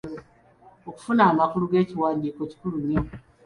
Okufuna amakulu g’ekiwandiiko kikulu nnyo.